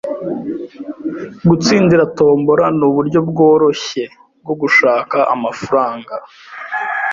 Gutsindira tombola nuburyo bworoshye bwo gushaka amafaranga.